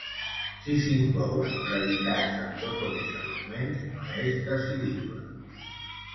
Si s'inclouen predicats amb dos o més arguments, no és decidible.